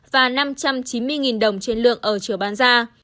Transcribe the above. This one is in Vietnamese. và năm trăm chín mươi đồng trên lượng ở chiều bán ra